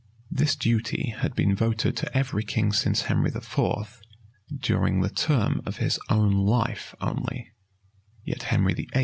[v] This duty had been voted to every king since Henry IV., during the term of his own life only: yet Henry VIII.